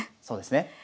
そうですね。